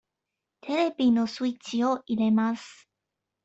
テレビのスイッチを入れます。